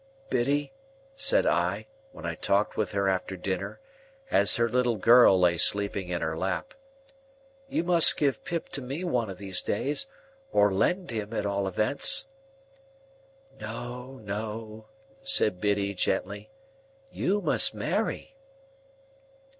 "Biddy," said I, when I talked with her after dinner, as her little girl lay sleeping in her lap, "you must give Pip to me one of these days; or lend him, at all events." "No, no," said Biddy, gently. "You must marry."